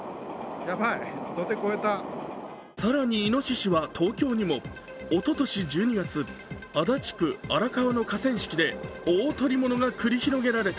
更にいのししは東京にも。おととし１２月、足立区・荒川の河川敷で大捕り物が繰り広げられた。